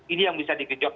ini yang bisa dikejok